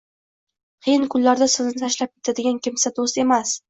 qiyin kunlarda sizni tashlab ketadigan kimsa do‘st emas.